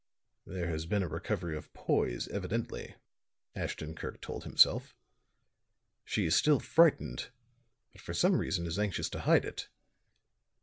"There has been a recovery of poise, evidently," Ashton Kirk told himself. "She is still frightened, but for some reason is anxious to hide it."